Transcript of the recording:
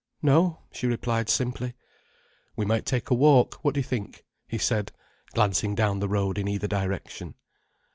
"No," she replied simply. "We might take a walk. What do you think?" he said, glancing down the road in either direction.